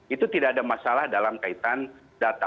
itu tidak ada masalah dalam kaitan data